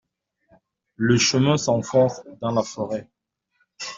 Le chemin s’enfonce dans la forêt.